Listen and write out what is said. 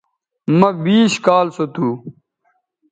مہ بیش کال سو تھو